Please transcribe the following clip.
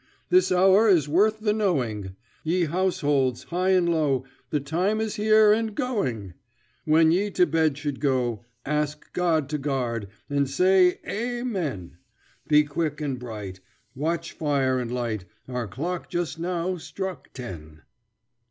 This hour is worth the know ing Ye house holds high and low, The time is here and go ing When ye to bed should go; Ask God to guard, and say A men! Be quick and bright, Watch fire and light, our clock just now struck ten.